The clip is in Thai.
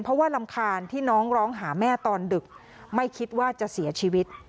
เพราะว่ารำคาญที่น้องร้องหาแม่ตอนดึกไม่คิดว่าจะเสียชีวิต